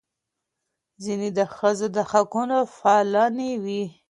ځینې د ښځو د حقونو فعالانې وې.